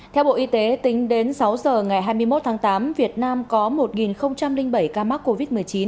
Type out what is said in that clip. theo bộ y tế tính đến sáu giờ ngày hai mươi một tháng tám việt nam có một bảy ca mắc covid một mươi chín